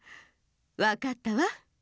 わかったわ。